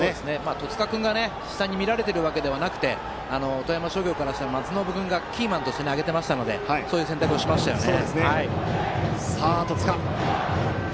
戸塚君が下に見られているわけではなくて富山商業は松延君をキーマンに挙げていましたのでそういう選択をしましたね。